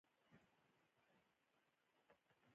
آزاد تجارت مهم دی ځکه چې دولت قوي کوي.